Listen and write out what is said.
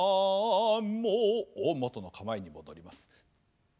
元の「構え」に戻ります。